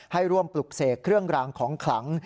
ให้ร่วมปลุกเสกเครื่องรางของขลัง